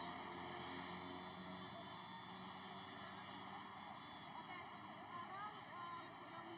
ya anda bisa lihat baru saja ketika sekelompok pengendara gojek hendak meninggalkan ruas jalan gatot subroto ini